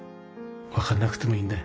わかんなくてもいいんだ。